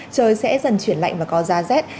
trời sẽ dần chuyển lạnh và có da rét